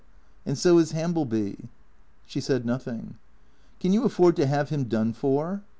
And so is Hambleby." She said nothing. " Can you afford to have him done for